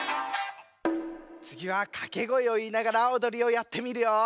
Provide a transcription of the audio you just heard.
つぎはかけごえをいいながらおどりをやってみるよ。